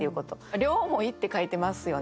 「両思い」って書いてますよね。